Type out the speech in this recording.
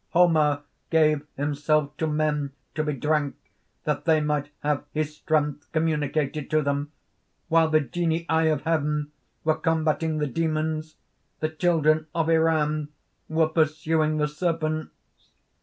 "Homa gave himself to men to be drank, that they might have his strength communicated to them while the Genii of heaven were combating the demons, the children of Iran were pursuing the serpents.